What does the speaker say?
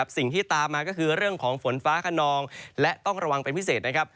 สิ่งที่ตามมาก็คือเรื่องของฝนฟ้าขนองและต้องระวังเป็นพิเศษนะครับ